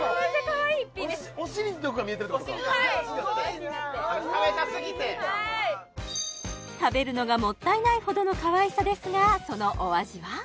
はい手足がこう食べるのがもったいないほどのかわいさですがそのお味は？